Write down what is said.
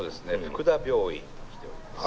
福田病院に来ております。